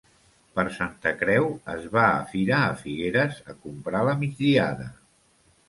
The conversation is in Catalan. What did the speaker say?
Per Santa Creu es va a fira a Figueres a comprar la migdiada.